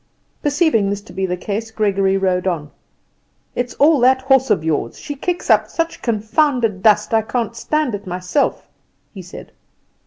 Perceiving this to be the case, Gregory rode on. "It's all that horse of yours: she kicks up such a confounded dust, I can't stand it myself," he said.